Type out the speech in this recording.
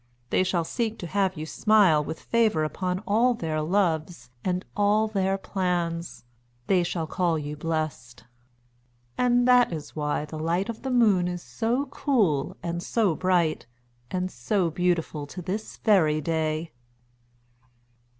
They shall seek to have you smile with favour upon all their loves and all their plans. They shall call you blessed." And that is why the light of the Moon is so cool, and so bright, and so beautiful to this very day.